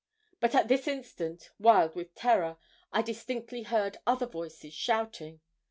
But at this instant, wild with terror, I distinctly heard other voices shouting.